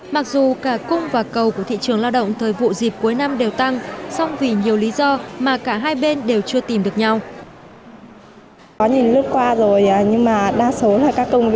mặc dù cả cung và cầu của thị trường lao động thời vụ dịp cuối năm đều tăng song vì nhiều lý do mà cả hai bên đều chưa tìm được nhau